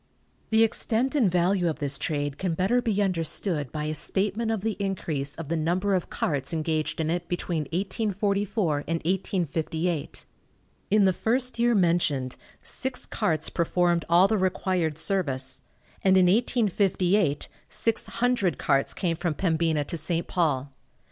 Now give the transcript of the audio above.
The extent and value of this trade can better be understood by a statement of the increase of the number of carts engaged in it between 1844 and 1858. In the first year mentioned six carts performed all the required service, and in 1858 six hundred carts came from Pembina to St. Paul.